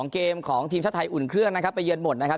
๒เหม่าของทิมสุดท้ายอุ่นเครื่องนะครับไปเยี่ยมหมดนะครับ